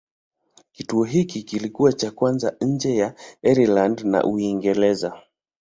Kituo hiki kilikuwa cha kwanza nje ya Ireland na Uingereza.